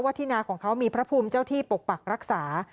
ที่นาของเขามีพระภูมิเจ้าที่ปกปักรักษา